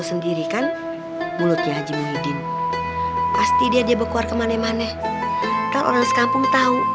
sendiri kan mulutnya haji muhyiddin pasti dia dia berkeluar ke manemane kalau orang sekampung tahu